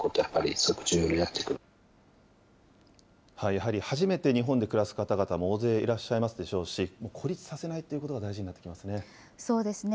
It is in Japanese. やはり初めて日本で暮らす方々も大勢いらっしゃいますでしょうし、孤立させないということが大事になってきますね。